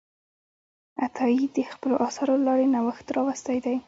عطایي د خپلو اثارو له لارې نوښت راوستی دی.